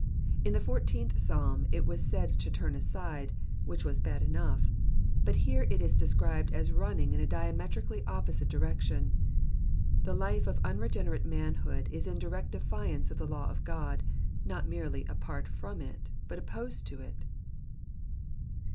In the fourteenth Psalm it was said to turn aside, which was bad enough, but here it is described as running in a diametrically opposite direction. The life of unregenerate manhood is in direct defiance of the law of God, not merely apart from it but opposed to it.